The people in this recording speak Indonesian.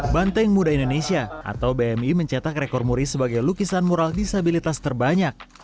banteng muda indonesia atau bmi mencetak rekor muri sebagai lukisan mural disabilitas terbanyak